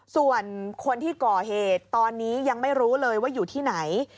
ส่วนคนที่ก่อเหตุตอนนี้ยังไม่รู้เลยว่าอยู่ที่ไหน